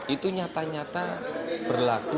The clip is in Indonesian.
itu nyata nyata berlaku